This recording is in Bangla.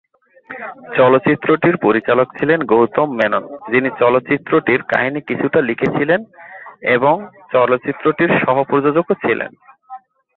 চলচ্চিত্রটির পরিচালক ছিলেন গৌতম মেনন, যিনি চলচ্চিত্রটির কাহিনী কিছুটা লিখেছিলেন এবং চলচ্চিত্রটির সহ-প্রযোজকও ছিলেন।